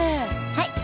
はい。